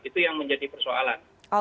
itu yang menjadi persoalan